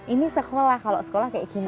ini sekolah kalau sekolah kayak gini